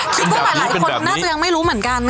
คุณผู้หมาหลายคนน่าจะยังไม่รู้เหมือนกันค่ะ